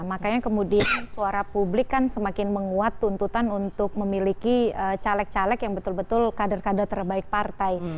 makanya kemudian suara publik kan semakin menguat tuntutan untuk memiliki caleg caleg yang betul betul kader kader terbaik partai